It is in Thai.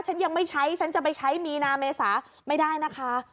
ฉันยังไม่ใช้ฉันจะไปใช้มีนาเมษาไม่ได้นะคะ